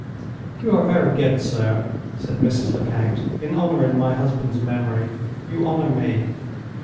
"You are very good, sir," said Mrs. Lecount. "In honoring my husband's memory, you honor me.